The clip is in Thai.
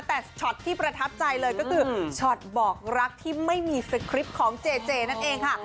แต่ช็อตที่ประทับใจเลยก็คือช็อตบอกรักที่ไม่มีสคริปต์ของเจเจนั่นเองค่ะ